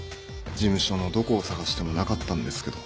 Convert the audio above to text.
事務所のどこを捜してもなかったんですけど。